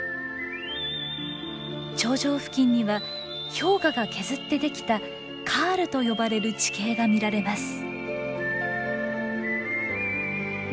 頂上付近には氷河が削ってできた「カール」と呼ばれる地形が見られます。